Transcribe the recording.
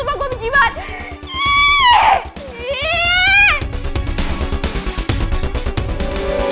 sumpah gue benci banget